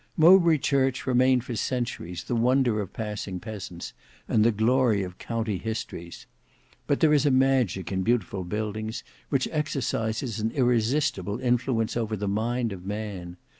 Mowbray Church remained for centuries the wonder of passing peasants, and the glory of county histories. But there is a magic in beautiful buildings which exercises an irresistible influence over the mind of man.